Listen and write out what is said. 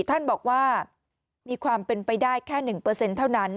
ท่านบอกว่ามีความเป็นไปได้แค่หนึ่งเปอร์เซ็นต์เท่านั้น